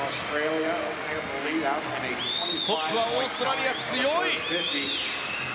トップはオーストラリア強い！